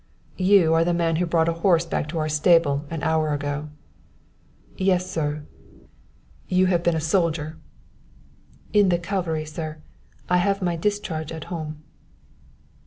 "You are the man who brought a horse back to our stable an hour ago." "Yes, sir." "You have been a soldier." "In the cavalry, sir. I have my discharge at home."